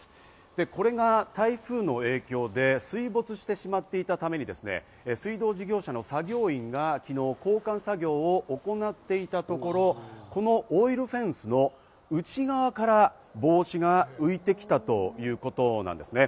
で、これが台風の影響で水没してしまっていたために水道事業者の作業員が昨日、交換作業を行っていたところ、このオイルフェンスの内側から帽子が浮いてきたということなんですね。